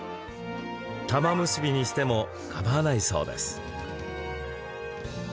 玉結びにしてもかまわないそうです。